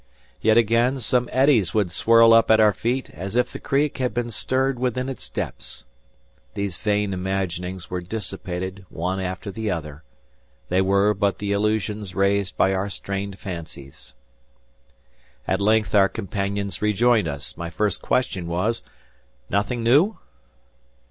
Yet again some eddies would swirl up at our feet, as if the Creek had been stirred within its depths. These vain imaginings were dissipated one after the other. They were but the illusions raised by our strained fancies. At length our companions rejoined us. My first question was, "Nothing new?"